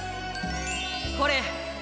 これ。